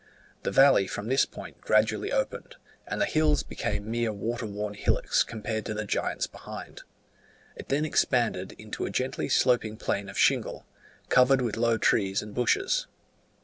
The valley from this point gradually opened, and the hills became mere water worn hillocks compared to the giants behind: it then expanded into a gently sloping plain of shingle, covered with low trees and bushes.